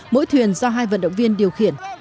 mỗi thuyền do hai vận động viên điều khiển